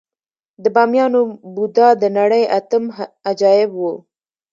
د بامیانو بودا د نړۍ اتم عجایب و